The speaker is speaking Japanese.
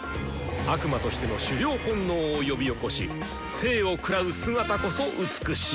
悪魔としての狩猟本能をよびおこし生を食らう姿こそ美しい！